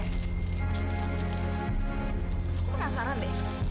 aku penasaran deh